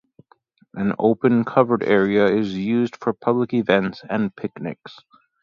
An open, covered area is used for public events and picnics.